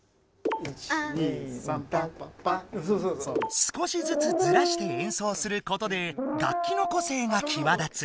少しずつずらして演奏することで楽器の個性がきわ立つ。